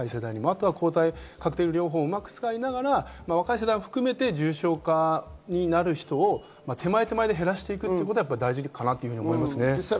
あとは抗体カクテル療法をうまく使いながら若い世代を含めて重症化になる人を手前で減らしていくことが大事だなと思います。